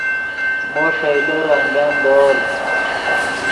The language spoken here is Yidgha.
مو ݰئیلے رنگن دورز